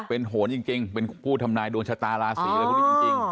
เป็นโหนจริงเป็นผู้ทำร้ายดวงชะตาลาศรีแล้วก็ได้จริง